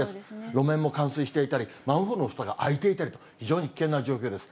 路面も冠水していたり、マンホールのふたが開いていたり、非常に危険な状況です。